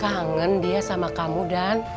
kangen dia sama kamu dan